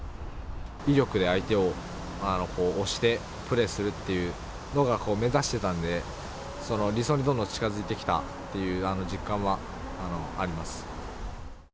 威力で相手を押してプレーするっていうのが目指してたんで、その理想にどんどん近づいてきたという実感はあります。